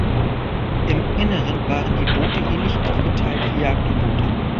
Im Inneren waren die Boote ähnlich aufgeteilt wie Jagd-U-Boote.